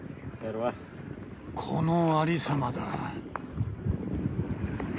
このありさまだ。